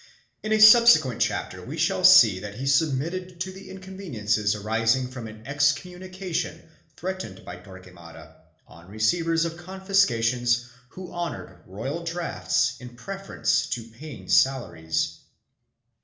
In a subsequent chapter we shall see that he submitted to the inconveniences arising from an excommunication threatened by Torquemada on re ceivers of confiscations who honored royal drafts in prefer ence to paying salaries.